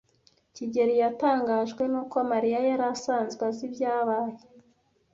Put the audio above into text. kigeli yatangajwe nuko Mariya yari asanzwe azi ibyabaye.